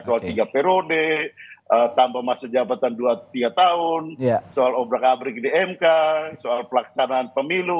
soal tiga periode tambah masa jabatan dua tiga tahun soal obrak abrik di mk soal pelaksanaan pemilu